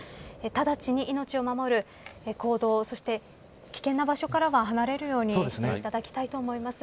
ただちに命を守る行動そして危険な場所からは離れるようにしていただきたいと思います。